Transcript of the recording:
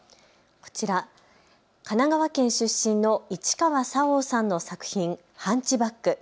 こちら神奈川県出身の市川沙央さんの作品、ハンチバック。